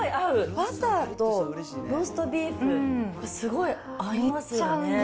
バターとローストビーフがすごい合いますね。